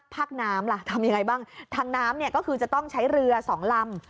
น้ำล่ะทำยังไงบ้างทางน้ำเนี่ยก็คือจะต้องใช้เรือสองลำ